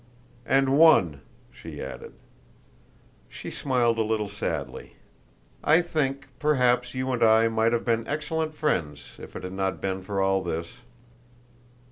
"And won!" she added. She smiled a little sadly. "I think, perhaps you and I might have been excellent friends if it had not been for all this."